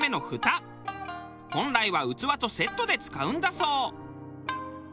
本来は器とセットで使うんだそう。